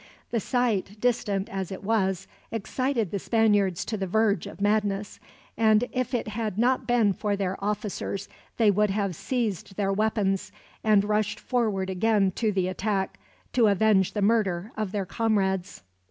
The sight, distant as it was, excited the Spaniards to the verge of madness; and if it had not been for their officers, they would have seized their weapons and rushed forward again to the attack, to avenge the murder of their comrades.